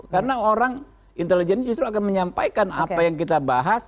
karena orang intelijen justru akan menyampaikan apa yang kita bahas